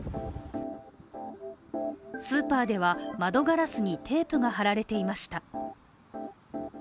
スーパーでは、窓ガラスにテープが貼られていました。